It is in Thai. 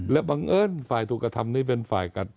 และบังเอิญฝ่ายถูกกระทำนี้เป็นฝ่ายกัด